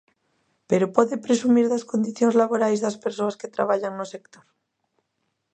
Pero pode presumir das condicións laborais das persoas que traballan no sector?